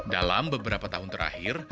dalam beberapa tahun terakhir